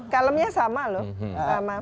kalemnya sama loh